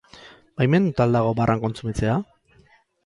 Baimenduta al dago barran kontsumitzea?